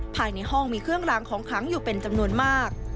ภายในห้องมีเครื่องรางของขังอยู่เป็นจำนวนมาก